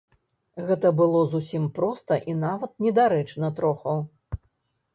Гэта было зусім проста і нават недарэчна троху.